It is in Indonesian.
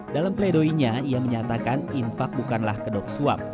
dalam pledoinya ia menyatakan infak bukanlah kedok suap